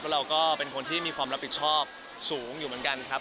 เราก็เป็นคนที่มีความรับผิดชอบสูงอยู่เหมือนกันครับ